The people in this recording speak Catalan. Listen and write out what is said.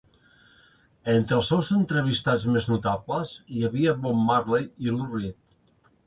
Entre els seus entrevistats més notables hi havia Bob Marley i Lou Reed.